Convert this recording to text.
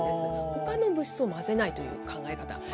ほかの物質を混ぜないという考え方。